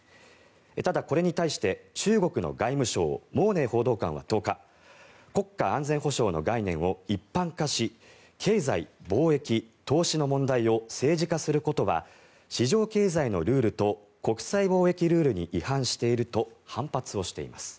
ただ、これに対して中国の外務省モウ・ネイ報道官は１０日国家安全保障の概念を一般化し経済、貿易、投資の問題を政治化することは市場経済のルールと国際貿易ルールに違反していると反発をしています。